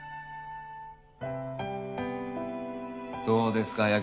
どうですか？